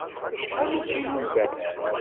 Acḥal i ukilu n ubanan?